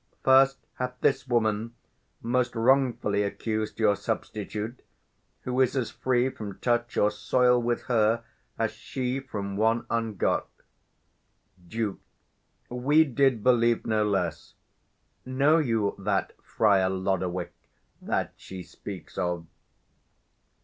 First, hath this woman Most wrongfully accused your substitute, 140 Who is as free from touch or soil with her As she from one ungot. Duke. We did believe no less. Know you that Friar Lodowick that she speaks of?